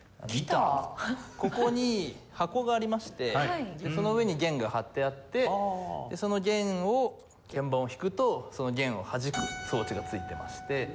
ここに箱がありましてその上に弦が張ってあってその弦を鍵盤を弾くとその弦をはじく装置が付いてまして。